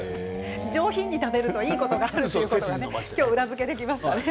上品に食べるといいことがあるという裏付けができました。